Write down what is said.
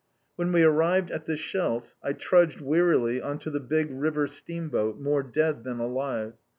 When we arrived at the Scheldt, I trudged wearily on to the big river steamboat, more dead than alive.